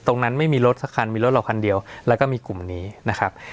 ไม่มีรถสักคันมีรถเราคันเดียวแล้วก็มีกลุ่มนี้นะครับ